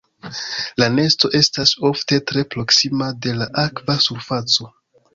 La nesto estas ofte tre proksima de la akva surfaco.